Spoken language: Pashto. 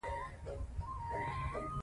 موږ د سولې او عدالت غوښتونکي یو.